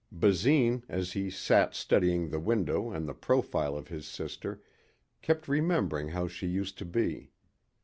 Basine, as he sat studying the window and the profile of his sister, kept remembering how she used to be.